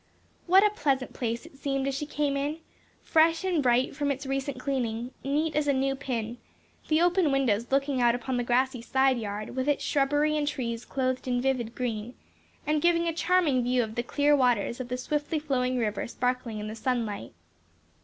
What a pleasant place it seemed as she came in! fresh and bright from its recent cleaning, neat as a new pin, the open windows looking out upon the grassy side yard, with its shrubbery and trees clothed in vivid green, and giving a charming view of the clear waters of the swiftly flowing river sparkling in the sunlight.